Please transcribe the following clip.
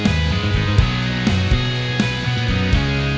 careju harus bayi bingung dan raymond